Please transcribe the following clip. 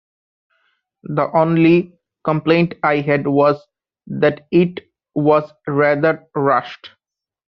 The only complaint I had was that it was rather rushed.